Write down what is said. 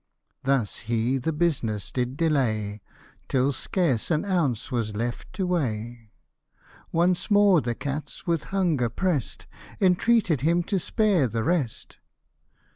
Thus he the business did delay, Till scarce an ounce was left to weigh. Once more the cats, with hunger prest, Entreated him to spare the rest.